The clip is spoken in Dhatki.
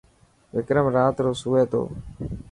وڪرم رات رو سوي ٿو.